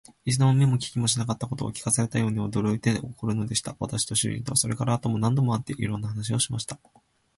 一度も見も聞きもしなかったことを聞かされたように、驚いて憤るのでした。私と主人とは、それから後も何度も会って、いろんな話をしました。